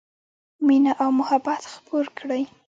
مینه او محبت خپور کړئ